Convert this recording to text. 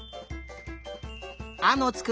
「あ」のつく